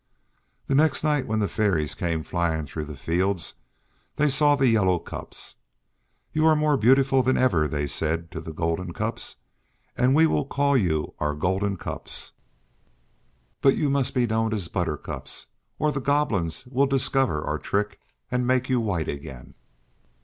The next night when the Fairies came flying through the fields they saw the Yellow Cups. "You are more beautiful than ever," they said to the Golden Cups, "and we will call you our Golden Cups, but you must be known as the Buttercups or the Goblins will discover our trick and make you white again."